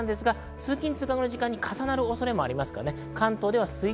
通勤通学の時間に重なる恐れもあります。